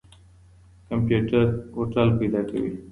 کمپيوټر هوټل پيدا کوي.